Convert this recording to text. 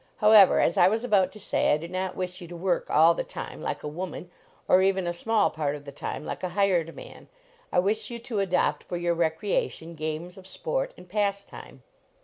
However, as I was about to say, I do not wish you to work all the time, like a woman, or even a smallpart of the time, like a hired man. I wish you to adopt for your recreation games of sport and pastime."